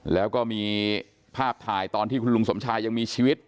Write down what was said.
แล้วก็มีภาพถ่ายตอนที่คุณลุงสมชายยังมีชีวิต